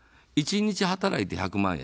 １日働いて１００万円。